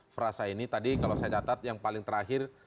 frasa ini tadi kalau saya catat yang paling terakhir